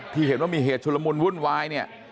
ที่เห็นว่ามีเหตุชุลมุนวุ่นวายเนี่ย